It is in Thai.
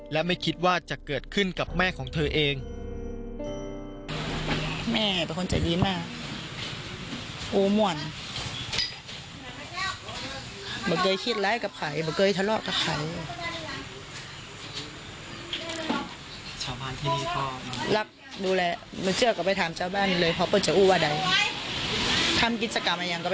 และไม่คิดว่าจะเกิดขึ้นกับแม่ของเธอเอง